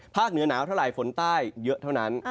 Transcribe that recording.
ภาคเหนือหนาวทะลายฝนใต้เยอะเท่านั้น